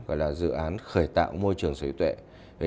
gọi là dự án khởi tạo môi trường sở hữu tuệ